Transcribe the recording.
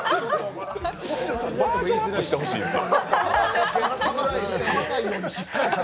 もうちょっとバージョンアップしてほしいんですよ。